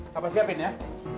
kapa siapin ya